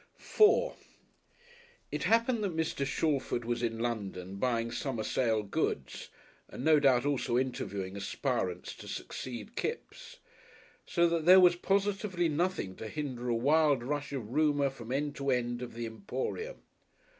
§4 It happened that Mr. Shalford was in London buying summer sale goods and no doubt also interviewing aspirants to succeed Kipps. So that there was positively nothing to hinder a wild rush of rumour from end to end of the Emporium.